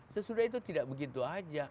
sesudah itu tidak begitu saja